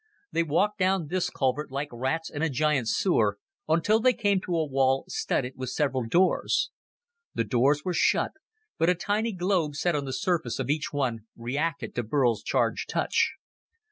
They walked down this culvert like rats in a giant sewer until they came to a wall studded with several doors. The doors were shut, but a tiny globe set on the surface of each one reacted to Burl's charged touch.